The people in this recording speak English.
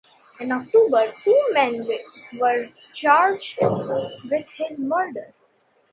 In October two men were charged with his murder.